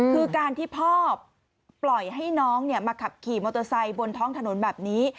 คือการที่พ่อปล่อยให้น้องมาขับขี่มอเตอร์ไซค์บนท้องถนนแบบนี้